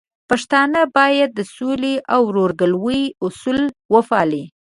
پښتانه بايد د سولې او ورورګلوي اصول وپالي.